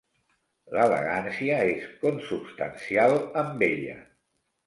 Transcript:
L'elegància és consubstancial amb ella.